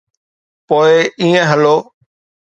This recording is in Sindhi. پوءِ ائين هلو.